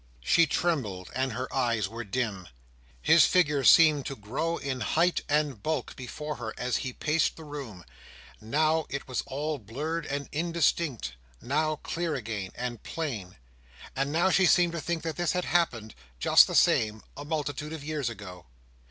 She trembled, and her eyes were dim. His figure seemed to grow in height and bulk before her as he paced the room: now it was all blurred and indistinct; now clear again, and plain; and now she seemed to think that this had happened, just the same, a multitude of years ago.